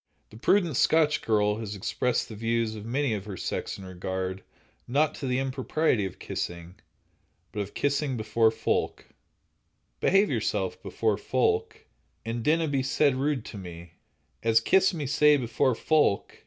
The prudent Scotch girl has expressed the views of many of her sex in regard, not to the impropriety of kissing, but of kissing "before folk": Behave yourself before folk, And dinna be sae rude to me, As kiss me sae before folk.